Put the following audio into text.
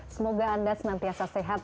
semoga anda senantiasa sehat